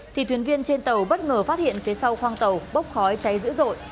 thì thuyền viên trên tàu bất ngờ phát hiện phía sau khoang tàu bốc cháy dữ dội